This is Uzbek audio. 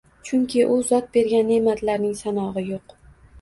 Chunki U zot bergan neʼmatlarning sanog‘i yo‘q.